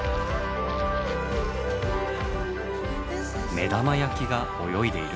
目玉焼きが泳いでいる？